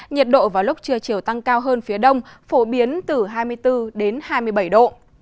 nhiệt độ vào lúc trưa chiều tăng cao hơn phía đông phổ biến từ hai mươi bốn đến hai mươi bảy độ